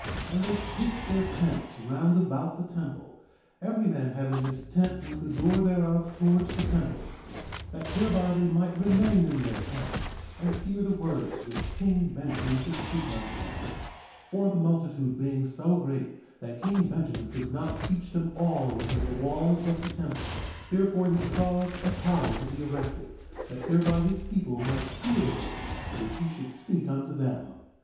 2:6 And they pitched their tents round about the temple, every man having his tent with the door thereof towards the temple, that thereby they might remain in their tents and hear the words which king Benjamin should speak unto them; 2:7 For the multitude being so great that king Benjamin could not teach them all within the walls of the temple, therefore he caused a tower to be erected, that thereby his people might hear the words which he should speak unto them.